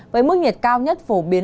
với mức nhiệt cao nhất phổ biến